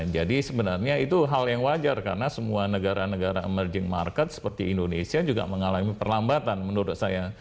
jadi sebenarnya itu hal yang wajar karena semua negara negara emerging market seperti indonesia juga mengalami perlambatan menurut saya